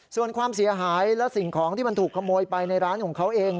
ส่วนความเสียหายและสิ่งของที่มันถูกขโมยไปในร้านของเขาเอง